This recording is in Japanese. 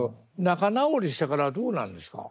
仲直りしてからはどうなんですか？